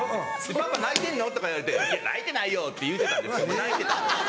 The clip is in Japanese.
「パパ泣いてんの？」とか言われて「いや泣いてないよ」って言うてたんですけど泣いてた。